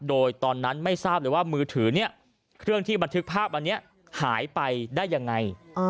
โดยตอนนั้นไม่ทราบเลยว่ามือถือเนี่ยเครื่องที่บันทึกภาพอันนี้หายไปได้ยังไง